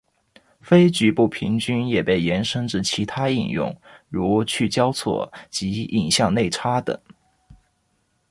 非局部平均也被延伸至其他应用如去交错及影像内插等。